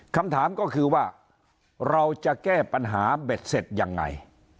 คำถามก็คือว่าเราจะแก้ปัญหาเบ็ดเสร็จยังไง